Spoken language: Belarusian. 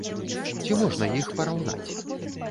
Ці можна іх параўнаць?